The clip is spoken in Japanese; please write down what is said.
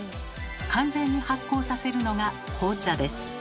完全に発酵させるのが紅茶です。